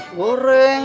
mau beli gorengan bang